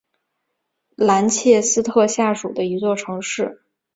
兰切斯特下属的一座城市。